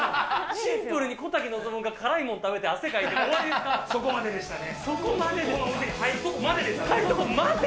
シンプルに小瀧望が辛いもの食べて、汗かいて、そこまででしたね。